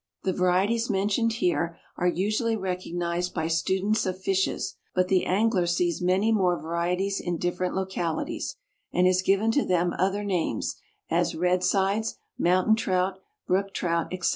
The varieties mentioned here are usually recognized by students of fishes, but the angler sees many more varieties in different localities, and has given to them other names, as Red Sides, Mountain Trout, Brook Trout, etc.